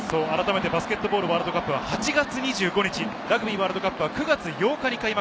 バスケットボールワールドカップは８月２５日、ラグビーワールドカップは９月８日に開幕。